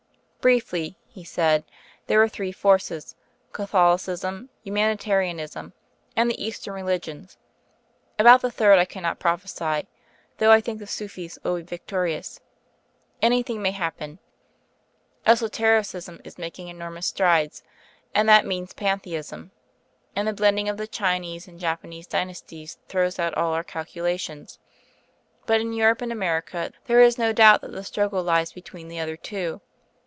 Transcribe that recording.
"Briefly," he said, "there are three forces Catholicism, Humanitarianism, and the Eastern religions. About the third I cannot prophesy, though I think the Sufis will be victorious. Anything may happen; Esotericism is making enormous strides and that means Pantheism; and the blending of the Chinese and Japanese dynasties throws out all our calculations. But in Europe and America, there is no doubt that the struggle lies between the other two.